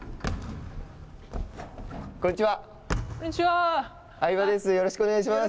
こんにちは！